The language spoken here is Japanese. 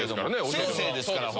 先生ですから。